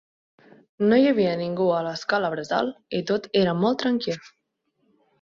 No hi havia ningú a l'escola bressol i tot era molt tranquil.